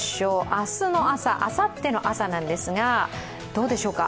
明日の朝、あさっての朝ですが、どうでしょうか？